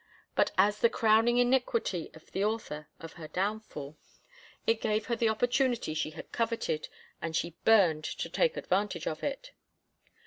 But as the crowning iniquity of the author of her downfall, it gave her the opportunity she had coveted, and she burned to take advantage of it.